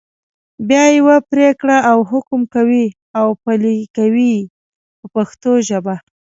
بیا یوه پرېکړه او حکم کوي او پلي یې کوي په پښتو ژبه.